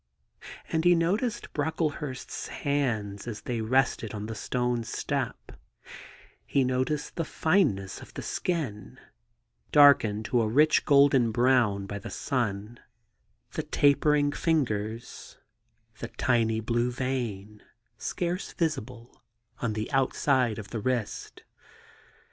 And he noticed Brocklehurst's hands as they rested on the stone step : he noticed the fineness of the skin, darkened to a rich golden brown by the sun; the tapering fingers; the tiny blue vein, scarce visible, on the inside of the wrist.